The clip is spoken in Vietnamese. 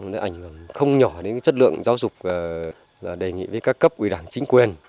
nó ảnh hưởng không nhỏ đến chất lượng giáo dục và đề nghị với các cấp ủy đảng chính quyền